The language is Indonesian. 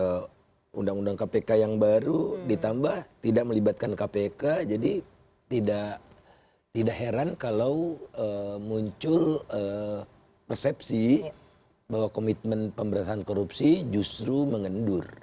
kalau undang undang kpk yang baru ditambah tidak melibatkan kpk jadi tidak heran kalau muncul persepsi bahwa komitmen pemberantasan korupsi justru mengendur